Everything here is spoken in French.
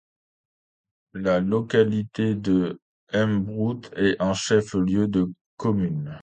La localité de M’brou est un chef-lieu de commune.